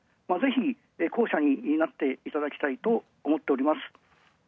ぜひ後者になっていただきたいと思っております。